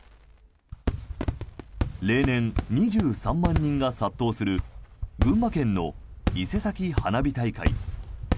例年、２３万人が殺到する群馬県のいせさき花火大会。